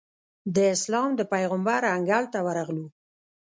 د اسلام د پېغمبر انګړ ته ورغلو.